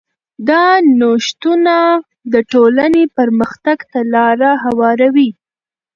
دا نوښتونه د ټولنې پرمختګ ته لاره هواروي.